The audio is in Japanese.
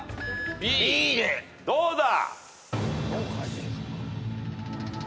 どうだ！